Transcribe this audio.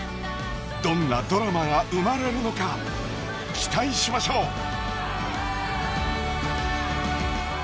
どんなドラマが生まれるのか期待しましょう！